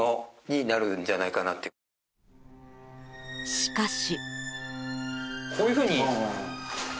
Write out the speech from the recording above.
しかし。